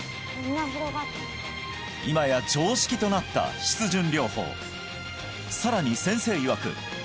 今や常識となった湿潤療法さらに先生いわく